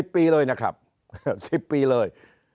ปีเลยนะครับ๑๐ปีเลย